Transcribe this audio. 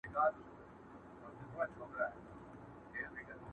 له ظالم څخه به څنگه په امان سم،